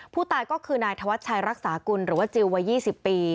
ผู้ตายก็คือนายธวัชชัยรักษากุลหรือว่าจิลวัย๒๐ปี